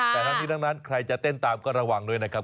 แต่ทั้งนี้ทั้งนั้นใครจะเต้นตามก็ระวังด้วยนะครับ